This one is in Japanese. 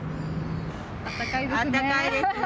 あったかいですね。